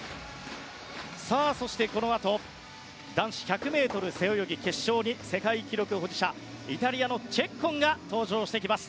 そして、このあと男子１００ｍ背泳ぎ決勝に世界記録保持者、イタリアのチェッコンが登場してきます。